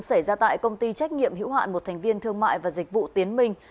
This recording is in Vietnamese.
xảy ra tại công ty trách nhiệm hữu hạn một thành viên thương mại và dịch vụ tiến minh